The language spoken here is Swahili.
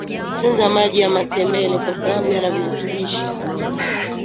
tunza maji ya matembele kwa sababu yana virutubishi